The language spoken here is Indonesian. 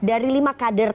dari lima kader tadi